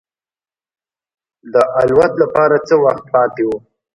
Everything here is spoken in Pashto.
د الوت لپاره څه وخت پاتې و.